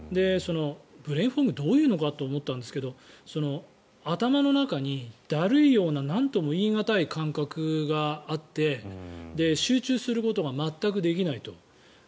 ブレインフォグどういうのかと思ったんですけど頭の中にだるいようななんとも言い難い感覚があって集中することが全くできないと。